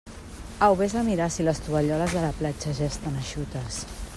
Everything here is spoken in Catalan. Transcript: Au, vés a mirar si les tovalloles de la platja ja estan eixutes.